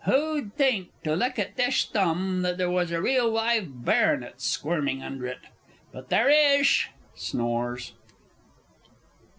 _) Who'd think, to look at thish thumb, that there was a real live Baronet squirmin' under it. But there ish! [_Snores.